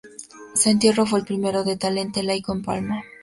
Su entierro fue el primero de talante laico en Palma.